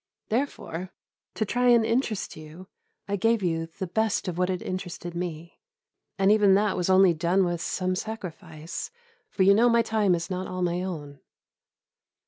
Therefore, to try and interest you, I gave you the best of what had interested me, and even that was only done with some sacrifice, for you know my time is not all my own.